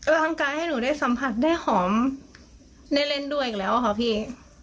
ร่างกายให้หนูได้สัมผัสได้หอมได้เล่นด้วยอีกแล้วค่ะพี่